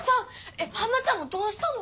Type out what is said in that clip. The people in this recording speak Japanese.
えっハマちゃんもどうしたの？